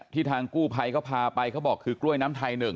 ที่ทางกู้ไพยเขาพาไปเขาบอกคือกล้วยน้ำไทย๑